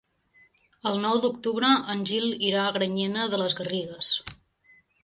El nou d'octubre en Gil irà a Granyena de les Garrigues.